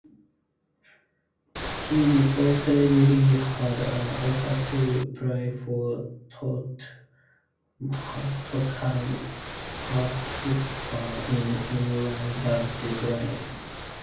He reportedly had an offer to play for Tottenham Hotspur in England but declined.